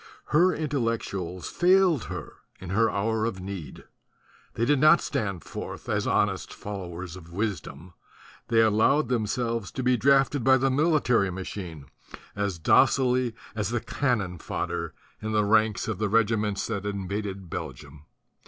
Her Intellectuals failed her in her hour of need; they did not stand forth as honest followers of wisdom; they allowed themselves to be drafted by the military machine as docilely as the cannon fodder in the ranks of the regi ments that invaded Belgium.